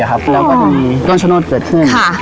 แล้วก็จะมีก้อนชะโนธเกิดขึ้น